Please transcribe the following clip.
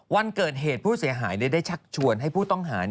วันเกิดเหตุผู้เสียหายได้ชักชวนให้ผู้ต้องหา